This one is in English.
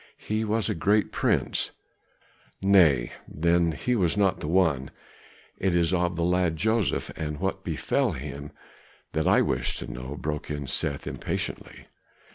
He was a great prince " "Nay, then he was not the one; it is of the lad Joseph, and what befell him, that I wish to know," broke in Seth impatiently.